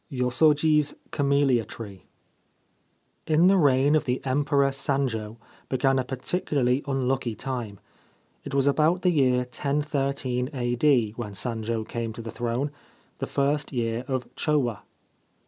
XXXI YOSOJI'S CAMELLIA TREE IN the reign of the Emperor Sanjo began a particularly unlucky time. It was about the year 1013 A.D. when Sanjo came to the throne — the first year of Chowa.